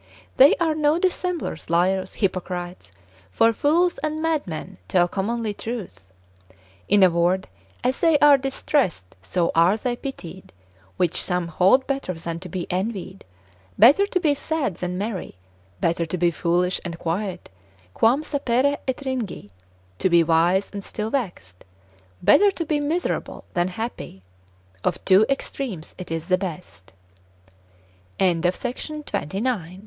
They are no dissemblers, liars, hypocrites, for fools and madmen tell commonly truth. In a word, as they are distressed, so are they pitied, which some hold better than to be envied, better to be sad than merry, better to be foolish and quiet, quam sapere et ringi, to be wise and still vexed; better to be miserable than happy: of two ext